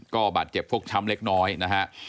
ก็บาดเจ็บฟกช้ำเล็กน้อยนะฮะ